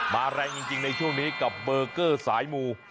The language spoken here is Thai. แรงจริงในช่วงนี้กับเบอร์เกอร์สายมู